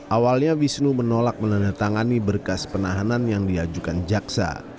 awalnya wisnu menolak menandatangani berkas penahanan yang diajukan jaksa